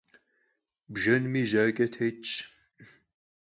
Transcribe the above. Bjjenmi jaç'e têtş.